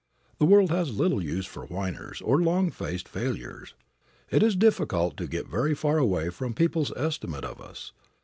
The world has little use for whiners, or long faced failures. It is difficult to get very far away from people's estimate of us.